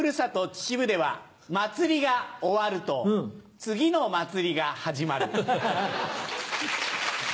秩父では祭りが終わると次の祭りが始まる。